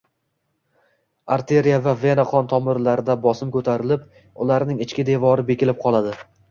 Arteriya va vena qon tomirlarida bosim ko‘tarilib, ularning ichki devori bekilib qoladi